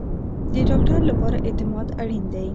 د ډاکټر لپاره اعتماد اړین دی